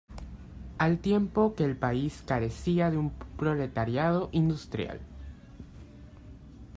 Al tiempo que el país carecía de un proletariado industrial.